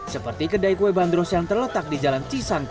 seperti kedai kue bandros yang terletak di jalan cisangko